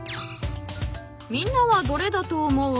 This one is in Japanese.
［みんなはどれだと思う？］